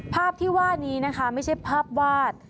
ภาพที่ว่านี้นะคะไม่ใช่ภาพวาด